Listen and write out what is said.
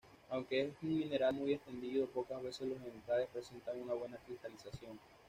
Aunque es un mineral muy extendido, pocas veces los ejemplares presentan una buena cristalización.